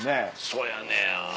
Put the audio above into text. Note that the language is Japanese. そやねや。